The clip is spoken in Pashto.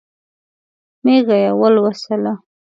مېږه یې ولوسله.